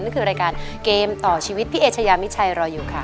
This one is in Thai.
นี่คือรายการเกมต่อชีวิตพี่เอเชยามิชัยรออยู่ค่ะ